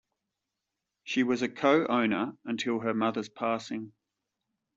She was a co-owner until her mother's passing.